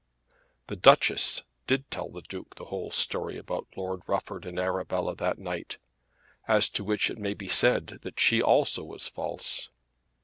The Duchess did tell the Duke the whole story about Lord Rufford and Arabella that night, as to which it may be said that she also was false.